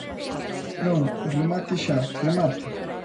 Non, remate xa, remate.